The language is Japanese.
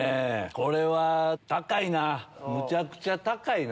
これは高いな。